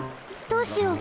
どうしよう！